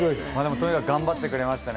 とにかく頑張ってくれましたね。